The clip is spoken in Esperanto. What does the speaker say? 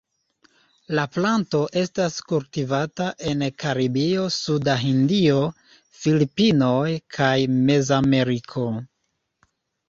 La planto estas kultivata en Karibio suda Hindio, Filipinoj kaj Mezameriko.